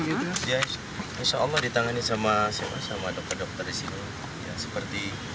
insya allah ditangani sama dokter dokter disini